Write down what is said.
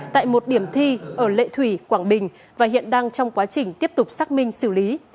tại một điểm thi ở lệ thủy quảng bình và hiện đang trong quá trình tiếp tục xác minh xử lý